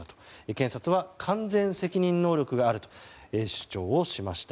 検察は完全責任能力があると主張しました。